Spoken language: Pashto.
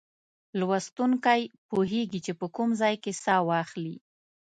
لوستونکی پوهیږي چې په کوم ځای کې سا واخلي.